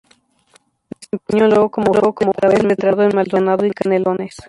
Se desempeñó luego como juez letrado en Maldonado y Canelones.